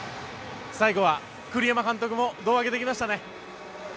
最後は栗山監督も胴上げできましたね。